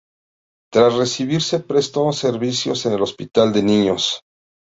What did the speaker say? Tras recibirse prestó servicios en el Hospital de Niños.